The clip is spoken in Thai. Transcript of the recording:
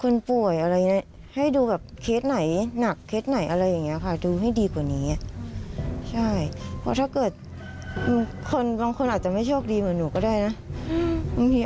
นางสาวศาสินิพากษ์ทับท้ายอายุ๓๖ปี